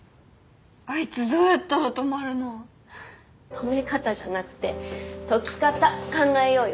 止め方じゃなくて解き方考えようよ。